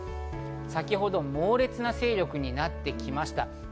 先ほど猛烈な勢力になってきました。